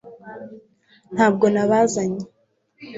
ntabwo nabazanye